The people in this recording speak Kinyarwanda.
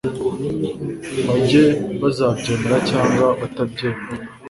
banjye bazabyemera cyangwa batabyemera